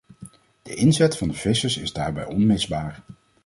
De inzet van de vissers is daarbij onmisbaar.